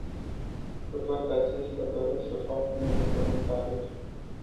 Cu toate acestea, doresc să fac unele comentarii.